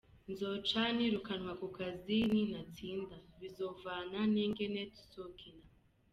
Nzoca nirukanwa ku kazi nintatsinda? Bizovana n'ingene tuzokina.